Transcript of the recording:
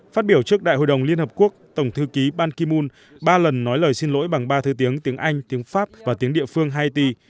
phát biểu trước đại hội đồng liên hợp quốc tổng thư ký ban ki moon ba lần nói lời xin lỗi bằng ba thứ tiếng tiếng anh tiếng pháp và tiếng địa phương haiti